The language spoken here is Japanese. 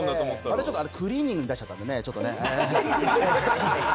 あれ、ちょっとクリーニングに出しちゃったんでね。